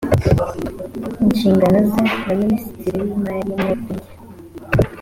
inshingano ze na minisitiri w imari nukurya